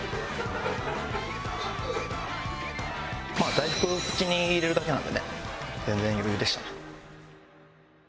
大福口に入れるだけなんでね全然余裕でした。